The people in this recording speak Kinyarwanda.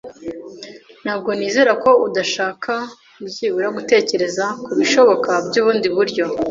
Ntabwo nizera ko udashaka byibura gutekereza kubishoboka byubundi buryo